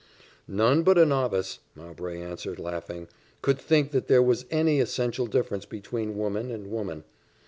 "None but a novice," Mowbray answered, laughing, "could think that there was any essential difference between woman and woman."